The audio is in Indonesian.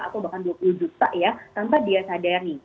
atau bahkan dua puluh juta ya tanpa dia sadari